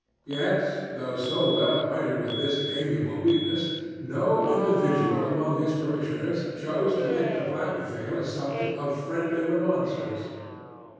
Yet, though so well acquainted with this amiable weakness, no individual among his parishioners chose to make the black veil a subject of friendly remonstrance.